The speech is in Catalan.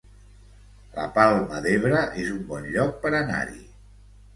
La Palma d'Ebre es un bon lloc per anar-hi